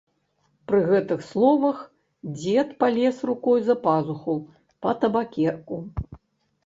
Пры гэтых словах дзед палез рукой за пазуху па табакерку.